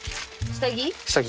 下着。